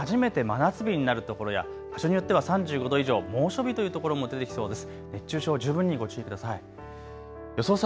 ことし初めて真夏日になるところや場所によっては３５度以上、猛暑日という所も出てきそうです。